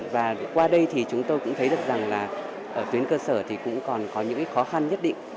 và qua đây thì chúng tôi cũng thấy được rằng là ở tuyến cơ sở thì cũng còn có những khó khăn nhất định